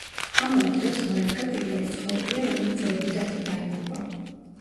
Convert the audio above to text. ამავე დროს, ლაიკა პირველი ცხოველია, რომელიც ორბიტაზე დაიღუპა.